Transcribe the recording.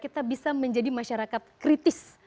kita bisa menjadi masyarakat kritis